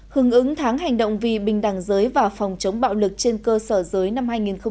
hưng ứng tháng hành động vì bình đẳng giới và phòng chống bạo lực trên cơ sở giới năm hai nghìn một mươi chín